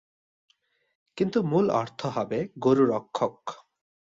কিন্তু মূল অর্থ হবে "গরু রক্ষক"।